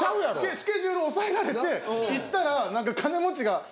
スケジュール押さえられて行ったら何か。